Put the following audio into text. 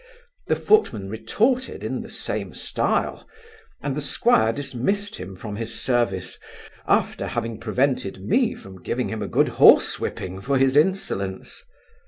The footman retorted in the same stile; and the squire dismissed him from his service, after having prevented me from giving him a good horse whipping for his insolence.